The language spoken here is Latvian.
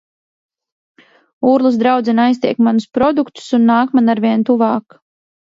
Urlas draudzene aiztiek manus produktus un nāk man arvien tuvāk.